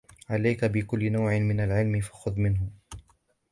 عَلَيْك بِكُلِّ نَوْعٍ مِنْ الْعِلْمِ فَخُذْ مِنْهُ